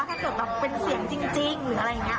แต่ตอนนั้นพอโดนัสเห็นว่ามีเสียงขึ้นมา